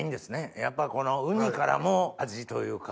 やっぱりこのウニからも味というか。